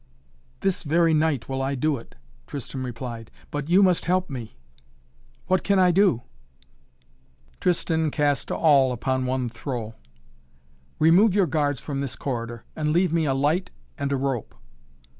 "This very night will I do it," Tristan replied. "But you must help me." "What can I do?" Tristan cast all upon one throw. "Remove your guards from this corridor and leave me a light and a rope."